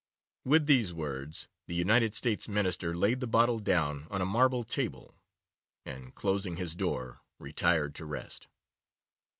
With these words the United States Minister laid the bottle down on a marble table, and, closing his door, retired to rest.